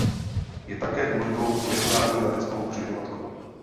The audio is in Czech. Je také důležitou mezinárodní leteckou křižovatkou.